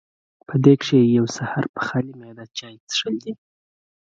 پۀ دې کښې يو سحر پۀ خالي معده چائے څښل دي